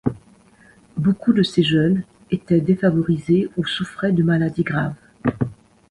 Beaucoup de ces jeunes étaient défavorisés ou souffraient de maladies graves.